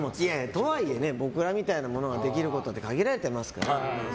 とはいえ僕らみたいなものができることって限られてますから。